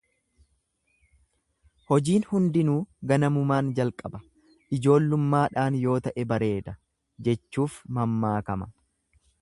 Hojiin hunduu ganamumaan, jalqaba, ijoollummaadhaan yoo ta'e bareeda jechuuf mammaakama.